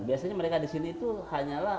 biasanya mereka disini itu hanyalah